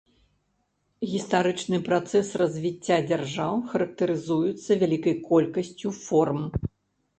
Гістарычны працэс развіцця дзяржаў характарызуецца вялікай колькасцю форм.